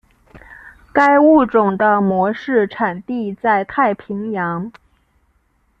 该物种的模式产地在太平洋。